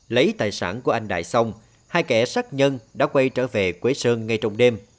lấy tài sản của anh đại xong hai kẻ sát nhân đã quay trở về quế sơn ngay trong đêm